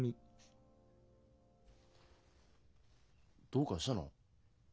どうかしたの？